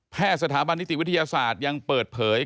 แพทย์สถาบันนิจียวิทยาศาสตร์ยังเปิดเผย